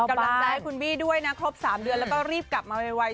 กำลังใจให้คุณบี้ด้วยนะครบ๓เดือนแล้วก็รีบกลับมาไว